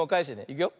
いくよ。